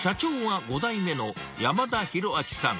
社長は５代目の山田裕朗さん。